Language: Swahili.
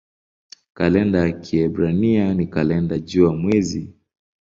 Kalenda ya Kiebrania ni kalenda jua-mwezi.